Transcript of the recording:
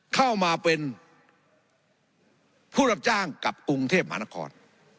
เข้ามาเป็นผู้รับจ้างกับกรุงเทพมหานคร